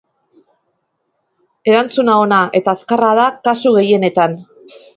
Erantzuna ona eta azkarra da kasu gehienetan.